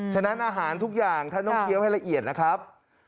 ฉะนั้นอาหารทุกอย่างท่านต้องเคี้ยวให้ละเอียดนะครับ